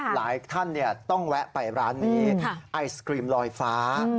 หลายท่านต้องแวะไปร้านนี้ไอศกรีมลอยฟ้า